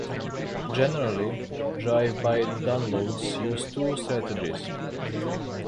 Generally, drive-by downloads use two strategies.